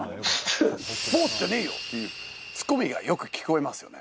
「スポーツじゃねえよ！」っていうツッコミがよく聞こえますよね。